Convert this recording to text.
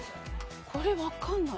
これわかんない。